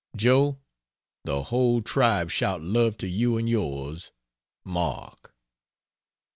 Joe, the whole tribe shout love to you and yours! MARK.